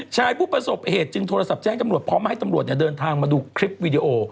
ผู้ประสบเหตุจึงโทรศัพท์แจ้งตำรวจพร้อมมาให้ตำรวจเดินทางมาดูคลิปวีดีโอ